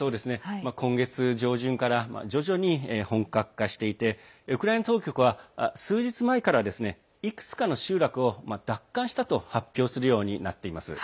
今月上旬から徐々に本格化していてウクライナ当局は数日前からいくつかの集落を奪還したと発表するようになっています。